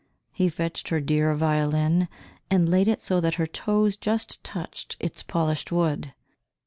He fetched her dear violin and laid it so that her toes just touched its polished wood.